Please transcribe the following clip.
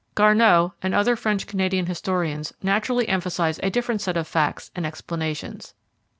Garneau and other French Canadian historians naturally emphasize a different set of facts and explanations.